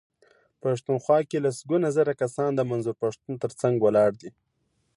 پښتونخوا کې لسګونه زره کسان د منظور پښتون ترڅنګ ولاړ دي.